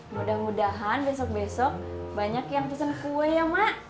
mudah mudahan besok besok banyak yang pesen kue ya mak